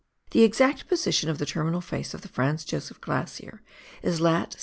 The exact position of the terminal face of the Franz Josef Glacier is lat.